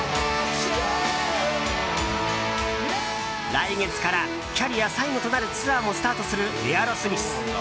来月からキャリア最後となるツアーもスタートするエアロスミス。